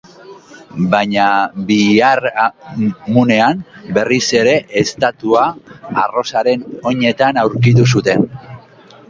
Baina biharamunean berriz ere estatua arrosaren oinetan aurkitu zuten.